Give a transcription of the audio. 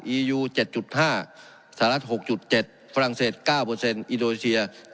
อียู๗๕สหรัฐ๖๗ฝรั่งเศส๙แบบโปรเซ็นต์อิโดเสีย๗